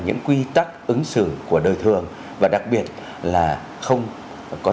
những quy tắc ứng xử của đời thường và đặc biệt là không có